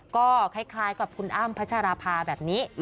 ก็คล้ายกับคุณอ้ำพัชราภาแบบนี้